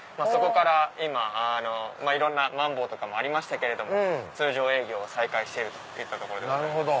そこから今いろんなまん防とかもありましたけども通常営業を再開してるといったところです。